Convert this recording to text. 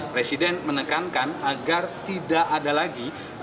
presiden menekankan agar tidak ada lagi